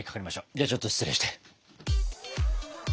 ではちょっと失礼して。